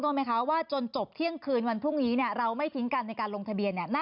ต้องมั้ยว่าตอนจบที่นี้เราไม่ทิ้งกันในการลงทะเบียน